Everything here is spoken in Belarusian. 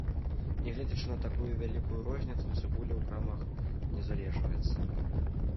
Нягледзячы на такую вялікую розніцу, цыбуля ў крамах не залежваецца.